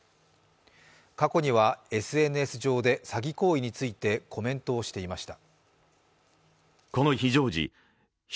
過去にはＳＮＳ上で詐欺行為についてコメントをしていました。